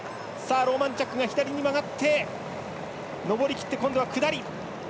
ローマンチャックが左に曲がって上りきって今度は下り。